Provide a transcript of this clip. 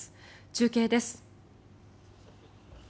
中継です。